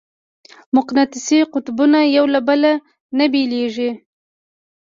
مقناطیسي قطبونه یو له بله نه بېلېږي.